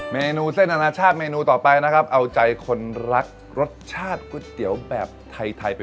เมนูเส้นอนาชาติเมนูต่อไปนะครับเอาใจคนรักรสชาติก๋วยเตี๋ยวแบบไทยไป